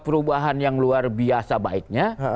perubahan yang luar biasa baiknya